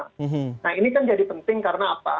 nah ini kan jadi penting karena apa